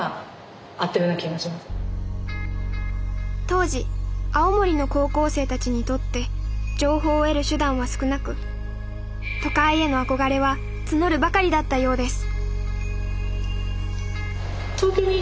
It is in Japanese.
当時青森の高校生たちにとって情報を得る手段は少なく都会へのあこがれは募るばかりだったようです